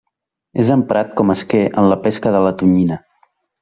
És emprat com a esquer en la pesca de la tonyina.